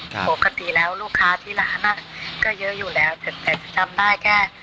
ปกติแล้วลูกค้าที่ร้านก็เยอะอยู่แล้วแต่จำได้แค่